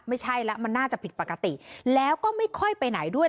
ไม่ใช่แล้วมันน่าจะผิดปกติแล้วก็ไม่ค่อยไปไหนด้วย